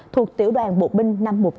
thuộc tiểu đoàn bộ binh năm trăm một mươi tám